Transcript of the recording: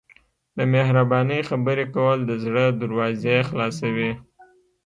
د مهربانۍ خبرې کول د زړه دروازې خلاصوي.